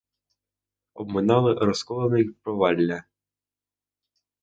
Обминали розколини й провалля.